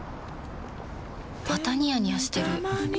またニヤニヤしてるふふ。